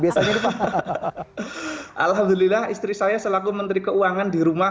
alhamdulillah istri saya selaku menteri keuangan di rumah